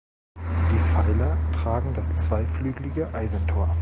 Die Pfeiler tragen das zweiflüglige Eisentor.